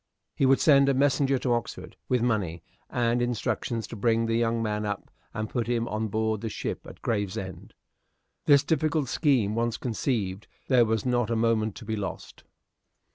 He would send a messenger to Oxford, with money and instructions to bring the young man up and put him on board the ship at Gravesend. This difficult scheme once conceived, there was not a moment to be lost.